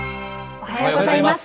おはようございます。